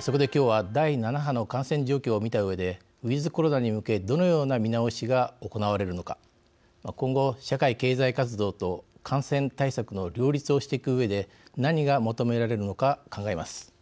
そこで、今日は第７波の感染状況を見たうえでウィズコロナに向けどのような見直しが行われるのか今後、社会経済活動と感染対策の両立をしていくうえで何が求められるのか考えます。